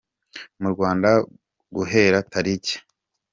mu Rwanda guhera tariki.